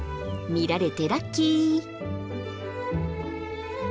見られてラッキー！